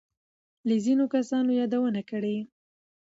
له ځینو کسانو يادونه کړې.